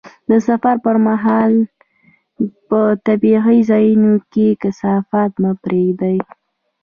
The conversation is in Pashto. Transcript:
د سفر پر مهال په طبیعي ځایونو کې کثافات مه پرېږده.